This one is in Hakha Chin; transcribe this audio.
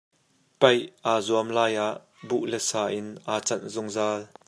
Paih aa zuam lai ah buh le sa in aa canh zungzal.